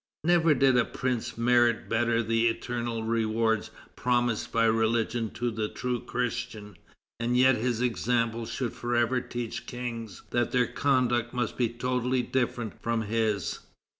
Never did a prince merit better the eternal rewards promised by religion to the true Christian; and yet his example should forever teach kings that their conduct must be totally different from his.